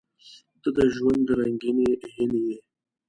• ته د ژوند رنګینې هیلې یې.